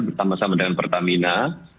bersama sama dengan pertamina